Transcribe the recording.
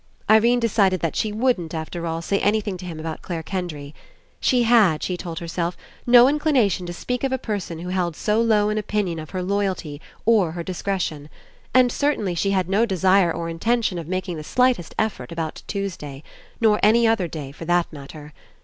Irene decided that she wouldn't, after all, say anything to him about Clare Kendry. She had, she told herself, no inclination to 49 PASSING Speak of a person who held so low an opinion of her loyalty, or her discretion. And certainly she had no desire or Intention of making the slightest effort about Tuesday. Nor any other day for that matter.